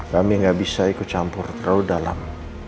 kami nggak bisa ikut campur terlalu dalam